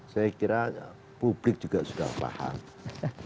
saya kira publik juga sudah paham